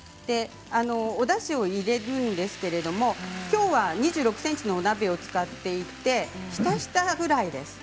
おだしを入れるんですけれどもきょうは２６ｃｍのお鍋を使ってひたひたぐらいです。